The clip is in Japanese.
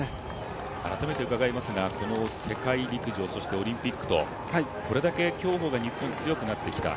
改めて伺いますが世界陸上そしてオリンピックと、これだけ競歩が日本、強くなってきた。